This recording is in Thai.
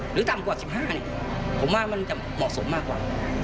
ต่ำกว่า๑๕นี่ผมว่ามันจะเหมาะสมมากกว่า